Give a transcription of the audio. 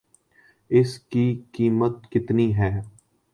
اس کی قیمت کتنی ہے